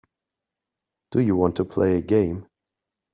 Do you want to play a game.